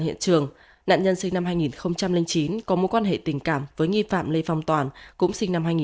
hiện trường nạn nhân sinh năm hai nghìn chín có mối quan hệ tình cảm với nghi phạm lê phong toàn cũng sinh